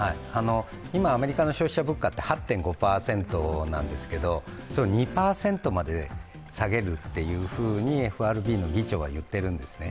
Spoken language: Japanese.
今、アメリカの消費者物価は８．５％なんですけど、２％まで下げるというふうにＦＲＢの議長は言っているんですね。